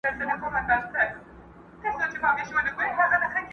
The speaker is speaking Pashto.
شیطان په زور نیولی؛